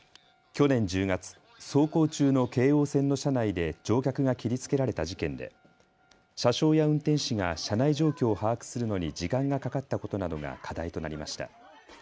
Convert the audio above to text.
去年１０月、走行中の京王線の車内で乗客が切りつけられた事件で車掌や運転士が車内状況を把握するのに時間がかかったことなどが課題となりました。